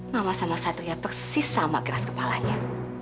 mama sama satria persis sama keras kepalanya